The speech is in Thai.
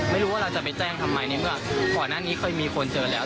ไม่รู้ว่าเราจะไปแจ้งทำไมในเมื่อก่อนหน้านี้เคยมีคนเจอแล้ว